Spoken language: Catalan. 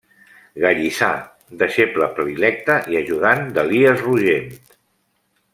Gallissà, deixeble predilecte i ajudant d'Elies Rogent.